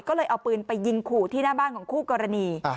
ก็เลยเอาปืนไปยิงขู่ที่หน้าบ้านของคู่กรณี